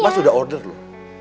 mas udah order loh